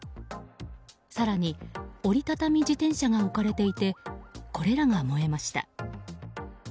更に、折り畳み自転車が置かれていてこれらが燃えました。